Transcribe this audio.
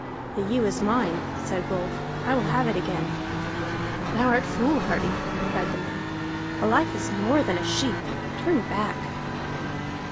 "The ewe is mine," said Rolf. "I will have it again." "Thou art foolhardy," cried the man. "A life is more than a sheep. Turn back!"